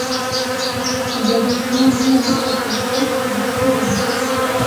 Il y a donc lien dynamique entre le script et la figure elle-même.